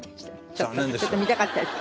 ちょっと見たかったでしょ？